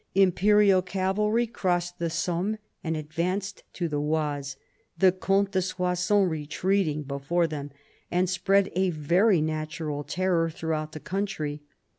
Imperial cavalry crossed the Somme and advanced to the Oise, the Comte de Soissons retreating before them, and spread a very natural terror throughout the country.